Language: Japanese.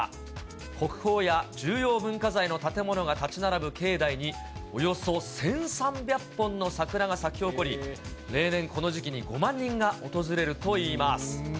国宝や重要文化財の建物が建ち並ぶ境内に、およそ１３００本の桜が咲き誇り、例年この時期に５万人が訪れるといいます。